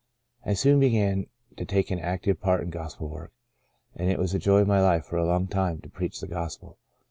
I soon began to take an active part in gospel work, and it was the joy of my life for a long time to preach the Gospel.